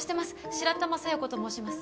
白玉佐弥子と申します